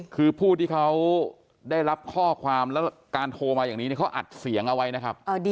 คือผู้ที่เขาได้รับข้อความแล้วการโทรมาอย่างนี้เขาอัดเสียงเอาไว้นะครับ